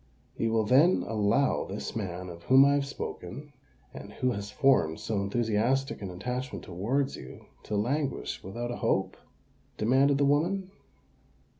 "You will then allow this man of whom I have spoken, and who has formed so enthusiastic an attachment towards you, to languish without a hope?" demanded the woman.